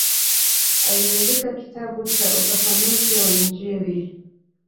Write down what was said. Aliandika kitabu cha ufafanuzi wa Injili.